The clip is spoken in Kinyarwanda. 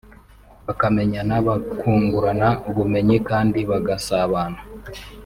bakamenyana bakungurana ubumenyi kandi bagasabana